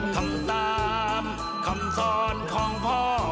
ทำตามคำสอนของพ่อ